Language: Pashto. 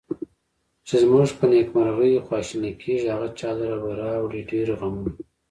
چې زمونږ په نیکمرغي خواشیني کیږي، هغه چا لره به راوړي ډېر غمونه